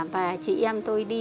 và chị em tôi đi